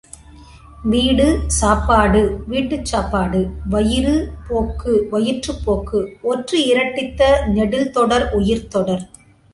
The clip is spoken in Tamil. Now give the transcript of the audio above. வீடு சாப்பாடு வீட்டுச் சாப்பாடு, வயிறு போக்கு வயிற்றுப் போக்கு ஒற்று இரட்டித்த நெடில் தொடர் உயிர்த்தொடர்.